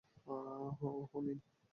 ওহ, নিন।